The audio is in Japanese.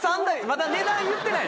まだ値段言ってない。